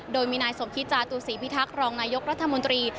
โดยมีนายสมคิตจาตุศีพิทักษ์รองนายกรัฐมนตรี